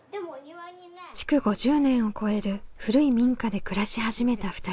築５０年を超える古い民家で暮らし始めた２人。